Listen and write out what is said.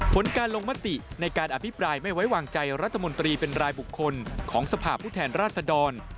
ผลการลงมติในการอภิปรายไม่ไว้วางใจรัฐมนตรีเป็นรายบุคคลของสภาพผู้แทนราชดร